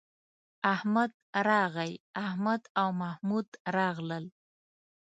احمد راغی، احمد او محمود راغلل